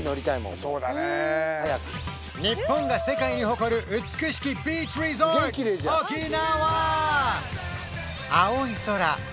日本が世界に誇る美しきビーチリゾート沖縄！